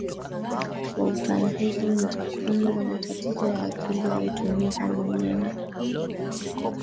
wa Utambuzi na Takwimu za Matatizo ya Akili haitumii kamwe neno